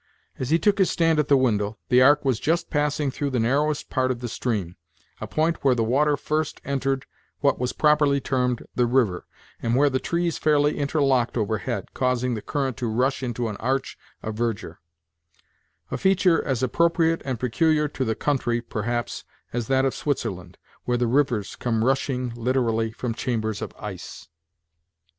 As he took his stand at the window, the ark was just passing through the narrowest part of the stream, a point where the water first entered what was properly termed the river, and where the trees fairly interlocked overhead, causing the current to rush into an arch of verdure; a feature as appropriate and peculiar to the country, perhaps, as that of Switzerland, where the rivers come rushing literally from chambers of ice.